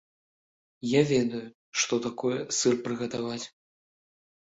Я ведаю, што такое сыр прыгатаваць.